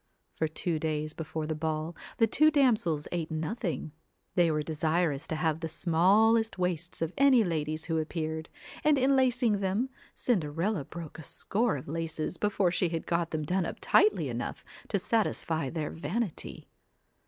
For two days before the ball, the two damsels ate nothing; they were desirous to have the small est waists of any ladies who appeared, and in lacing them, Cinderella broke a score of laces 25 CINDER before she had got them done up tightly enough ELLA to satisfy their vanity.